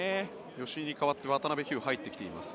吉井に代わって渡邉飛勇が入ってきています。